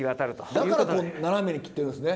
だからこう斜めに切ってるんですね。